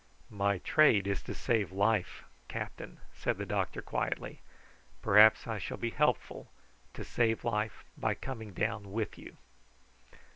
"My trade is to save life, captain," said the doctor quietly. "Perhaps I shall be helping to save life by coming down with you."